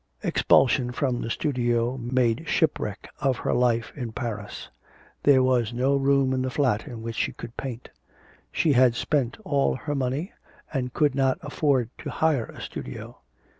Expulsion from the studio made shipwreck of her life in Paris. There was no room in the flat in which she could paint. She had spent all her money, and could not afford to hire a studio.